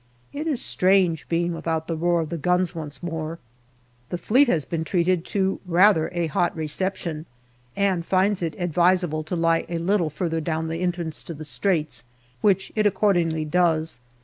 It is strange being without the roar of the guns once more. 70 GALLIPQLI DIARY The Fleet has been treated to rather a hot reception, and finds it advisable to lie a little further down the entrance to the Straits, which it accordingly does.